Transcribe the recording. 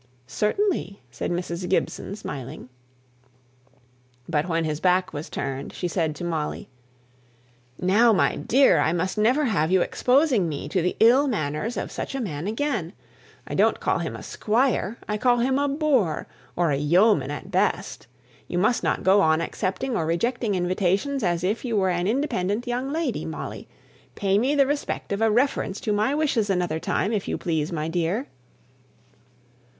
"Certainly," said Mrs. Gibson, smiling. But when his back was turned, she said to Molly, "Now, my dear, I must never have you exposing me to the ill manners of such a man again! I don't call him a squire; I call him a boor, or a yeoman at best. You must not go on accepting or rejecting invitations as if you were an independent young lady, Molly. Pay me the respect of a reference to my wishes another time, if you please, my dear!"